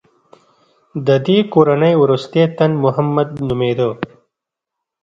د دې کورنۍ وروستی تن محمد نومېده.